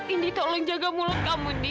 indi tolong jaga mulut kamu nih